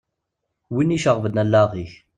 Wid iceɣben allaɣ-ik.